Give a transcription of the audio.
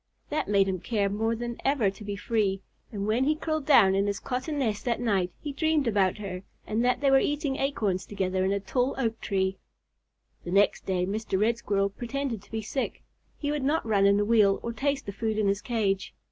That made him care more than ever to be free, and when he curled down in his cotton nest that night he dreamed about her, and that they were eating acorns together in a tall oak tree. The next day Mr. Red Squirrel pretended to be sick. He would not run in the wheel or taste the food in his cage.